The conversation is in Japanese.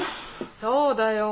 そうだよ。